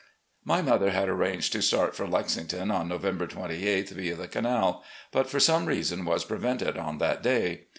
" My mother had arranged to start for Lexington on November 28th, via the canal, but for some reason was prevented on that day.